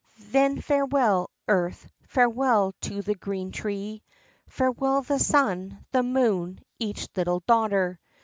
Then farewell, earth farewell to the green tree Farewell, the sun the moon each little daughter!